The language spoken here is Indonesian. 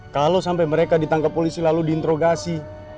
kalau sampai mereka ditangkap polisi lalu diinterogasi